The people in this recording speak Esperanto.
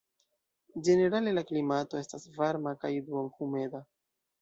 Ĝenerale la klimato estas varma kaj duonhumeda.